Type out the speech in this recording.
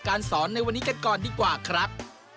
ครับ